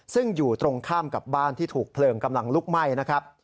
ซึ่งอยู่ตรงข้ามกับบ้านที่ถูกเพลิงกำลังลุกไหม้นะครับ